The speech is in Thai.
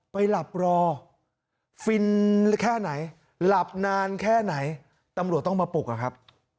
ไปหลับรอฟินแค่ไหนหลับนานแค่ไหนตำรวจต้องมาปลุกอะครับ